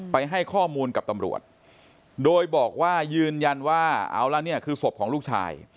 ไปให้ข้อมูลกับตำรวจโดยบอกว่ายืนยันว่าเอาละเนี่ยคือศพของลูกชาย